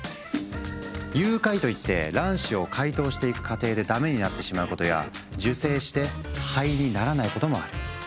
融解といって卵子を解凍していく過程でダメになってしまうことや受精して胚にならないこともある。